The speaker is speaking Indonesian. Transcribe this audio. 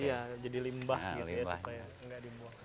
iya jadi limbah gitu ya supaya nggak dibuang